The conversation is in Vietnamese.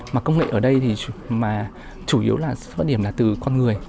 mà công nghệ ở đây thì mà chủ yếu là bất điểm là từ con người